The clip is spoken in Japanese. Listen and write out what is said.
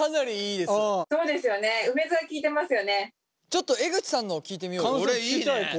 ちょっと江口さんのを聞いてみよう。